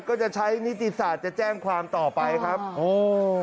ก็จะใช้นิติศาสตร์จะแจ้งความต่อไปครับโอ้